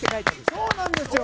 そうなんですよ。